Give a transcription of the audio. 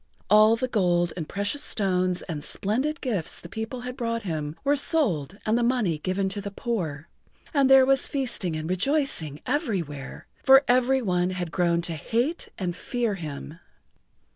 All the gold and precious stones and splendid gifts the people had brought him were sold and the money given to the poor, and there was feasting and rejoicing everywhere, for every one had grown to hate and fear him.